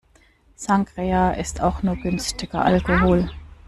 Sangria ist auch nur günstiger Alkohol.